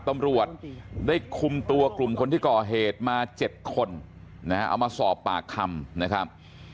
ตำรวจได้คุมตัวกลุ่มคนที่ก่อเหตุมา๗คนนะฮะเอามาสอบปากคำนะครับ